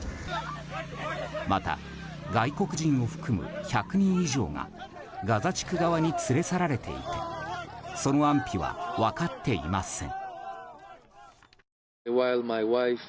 また外国人を含む１００人以上がガザ地区側に連れ去られていてその安否は分かっていません。